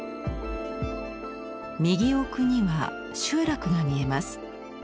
右奥には集落が見えます。